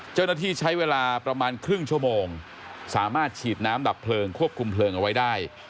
เจ้าหน้าที่ใช้เวลาประมาณครึ่งชั่วโมงสามารถฉีดน้ำดับเพลิงควบคุมเพลิงเอาไว้ได้